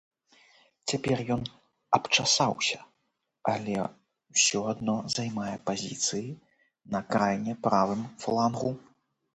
Цяпер ён абчасаўся, але ўсё адно займае пазіцыі на крайне правым флангу.